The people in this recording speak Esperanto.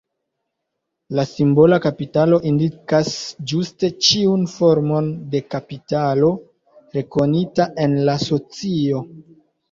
La simbola kapitalo indikas ĝuste ĉiun formon de kapitalo rekonita en la socio.